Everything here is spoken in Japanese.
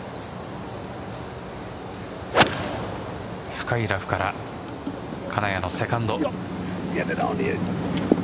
深いラフから金谷のセカンド。